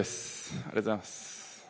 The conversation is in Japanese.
ありがとうございます。